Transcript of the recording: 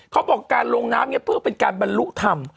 เขาบอกการลงน้ำเนี่ยเพื่อเป็นการบรรลุธรรม